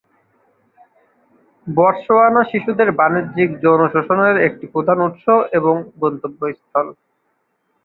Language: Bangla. বতসোয়ানা শিশুদের বাণিজ্যিক যৌন শোষণের একটি প্রধান উৎস এবং গন্তব্যস্থল।